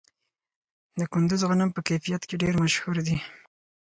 د کندز غنم په کیفیت کې ډیر مشهور دي.